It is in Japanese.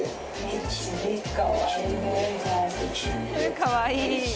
かわいいね。